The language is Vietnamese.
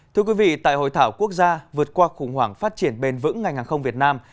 thưa quý vị tại hội thảo quốc gia vượt qua khủng hoảng phát triển bền vững ngành hàng không việt nam